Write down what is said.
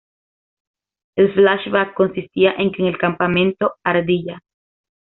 El flashback consistía en que en el campamento ardilla.